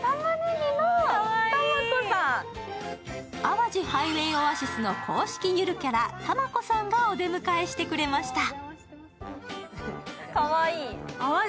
淡路ハイウェイオアシスの公式ゆるキャラ、タマ子さんが御出迎えてしてくれました。